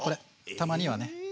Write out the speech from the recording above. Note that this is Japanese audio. たまにはね。